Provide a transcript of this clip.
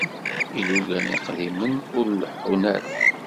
Ilugan iqdimen ur leḥḥun ara.